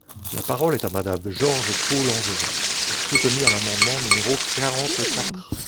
La parole est à Madame George Pau-Langevin, pour soutenir l’amendement numéro quarante-quatre.